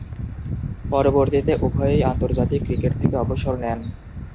পরবর্তীতে উভয়েই আন্তর্জাতিক ক্রিকেট থেকে অবসর নেন।